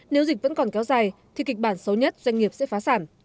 nếu dịch vẫn còn kéo dài thì kịch bản xấu nhất doanh nghiệp sẽ phá sản